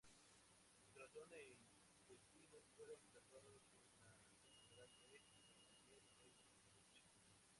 Su corazón e intestinos fueron enterrados en la catedral de San Martín de Utrecht.